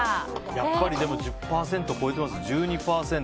やっぱりでも１０％超えて１２％。